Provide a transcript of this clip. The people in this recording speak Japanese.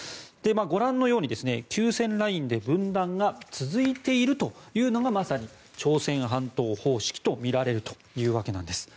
ご覧のように、休戦ラインで分断が続いているというのがまさに朝鮮半島方式とみられるというわけなんです。